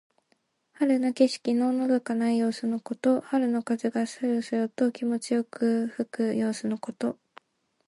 春の景色ののどかな様子のこと。春の風がそよそよと気持ちよく吹く様子のこと。